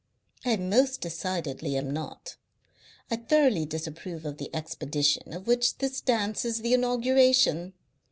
"I most decidedly am not. I thoroughly disapprove of the expedition of which this dance is the inauguration.